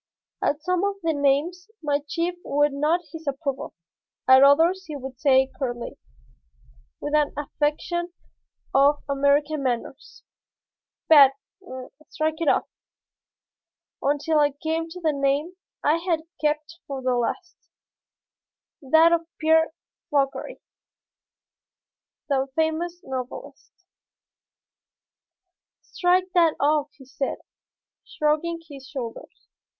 At some of the names my chief would nod his approval, at others he would say curtly, with an affectation of American manners, "Bad; strike it off," until I came to the name I had kept for the last, that of Pierre Fauchery, the famous novelist. "Strike that off," he said, shrugging his shoulders.